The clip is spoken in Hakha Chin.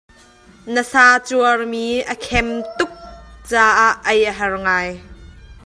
Na sa cuarmi a khem tuk caah ei a har ngai.